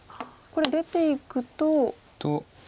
これ出ていくと。